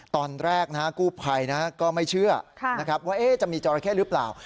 ตอนแรกนะฮะกู้ภัยนะฮะก็ไม่เชื่อนะฮะว่าเอ๊ะจะมีจราเคตัวนี้รึเปล่า